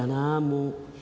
もう。